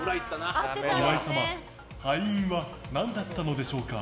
岩井様敗因は何だったのでしょうか。